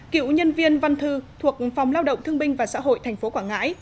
cựu nhân viên văn thư thuộc phòng lao động thương binh và xã hội tp quảng ngãi